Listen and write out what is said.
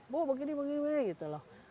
bu begini begini gitu loh